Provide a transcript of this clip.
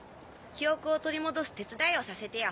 記憶を取り戻す手伝いをさせてよ。